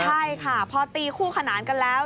ใช่ค่ะพอตีคู่ขนานกันแล้ว